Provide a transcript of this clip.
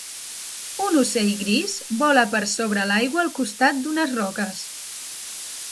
Un ocell gris vola per sobre l'aigua al costat d'unes roques.